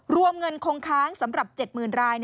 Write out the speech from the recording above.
รวมเงินคงค้างสำหรับ๗๐๐ราย